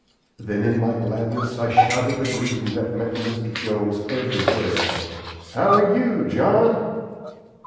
Then in my gladness I shouted the greeting that met Mr. Jones everywhere, "How are YOU, JOHN?"